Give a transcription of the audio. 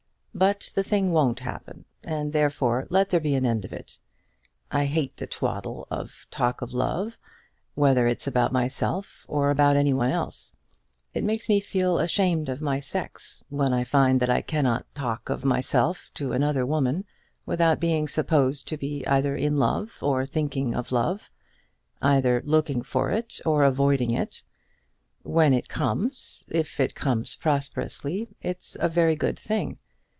"But the thing won't happen, and therefore let there be an end of it. I hate the twaddle talk of love, whether it's about myself or about any one else. It makes me feel ashamed of my sex, when I find that I cannot talk of myself to another woman without being supposed to be either in love or thinking of love, either looking for it or avoiding it. When it comes, if it comes prosperously, it's a very good thing.